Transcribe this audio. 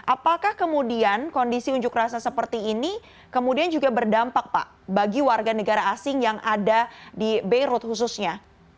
apakah kemudian kondisi unjuk rasa seperti ini kemudian juga berdampak pak bagi warga negara asing yang ada di beirut khususnya